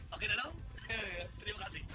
oke dadong terima kasih